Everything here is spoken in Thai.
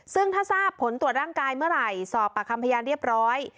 ซึ่งถ้าทราบผลตรวจร่างกายเมื่อไหร่สอบปากคำพยานเรียบร้อย